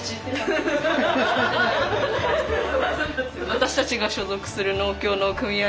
私たちが所属する農協の組合